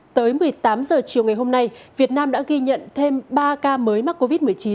tới một mươi tám h chiều ngày hôm nay việt nam đã ghi nhận thêm ba ca mới mắc covid một mươi chín